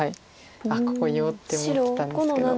ここ言おうって思ってたんですけど。